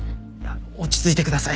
落ち着いてください。